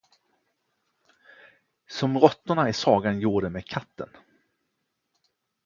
Som råttorna i sagan gjorde med katten.